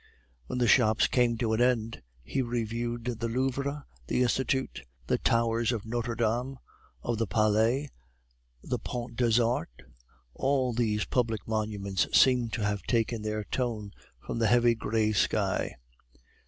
When the shops came to an end, he reviewed the Louvre, the Institute, the towers of Notre Dame, of the Palais, the Pont des Arts; all these public monuments seemed to have taken their tone from the heavy gray sky.